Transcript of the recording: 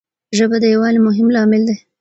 ژبه د یووالي مهم لامل دی.